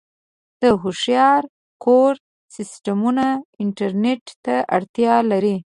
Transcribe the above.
د هوښیار کور سیسټمونه انټرنیټ ته اړتیا لري.